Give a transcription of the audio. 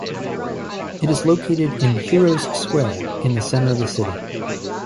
It is located in Heroes' Square in the center of the city.